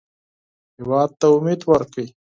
هېواد ته امید ورکړئ